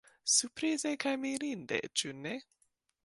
Surprize kaj mirinde, ĉu ne?